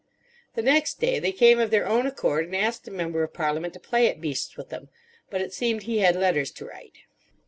The next day they came of their own accord, and asked the Member of Parliament to play at beasts with them; but it seemed he had letters to write.